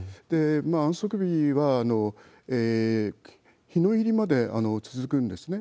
安息日は、日の入りまで続くんですね。